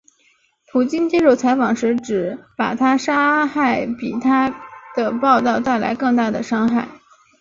普京接受采访时指把她杀害比她的报导带来更大的伤害。